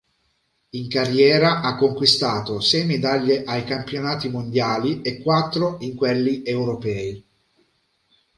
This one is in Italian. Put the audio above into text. In carriera ha conquistato sei medaglie ai campionati mondiali e quattro in quelli europei.